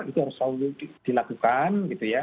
itu harus selalu dilakukan